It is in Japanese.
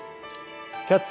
「キャッチ！